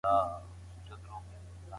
زه به اوږده موده د لغتونو تمرين کړی وم.